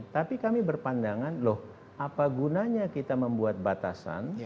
tapi kami berpandangan loh apa gunanya kita membuat batasan